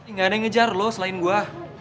nggak ada yang ngejar lo selain gue